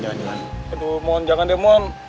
aduh mon jangan deh mon